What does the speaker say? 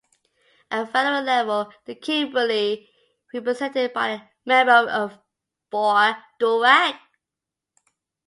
At federal level, the Kimberley is represented by the member for Durack.